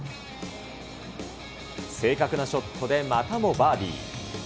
正確なショットで、またもバーディー。